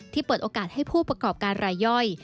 เปิดโอกาสให้ผู้ประกอบการรายย่อย